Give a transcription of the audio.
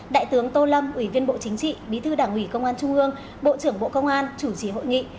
đại tướng tô lâm ủy viên bộ chính trị bí thư đảng ủy công an trung ương bộ trưởng bộ công an chủ trì hội nghị